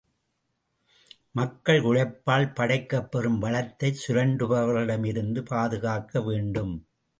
மக்கள் உழைப்பால் படைக்கப்பெறும் வளத்தைச் சுரண்டுபவர்களிடமிருந்து பாதுகாக்க வேண்டும்.